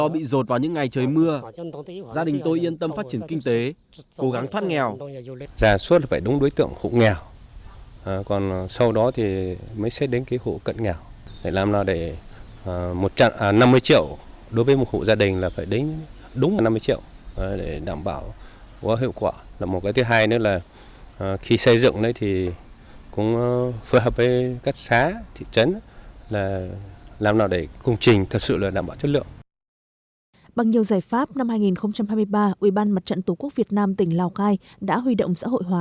bằng nhiều giải pháp năm hai nghìn hai mươi ba ubnd tq việt nam tỉnh lào cai đã huy động xã hội hóa